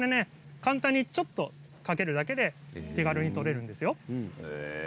簡単にちょっとかけるだけで手軽にとれるんですよ。